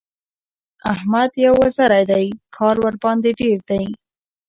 احمد يو وزری دی؛ کار ورباندې ډېر دی.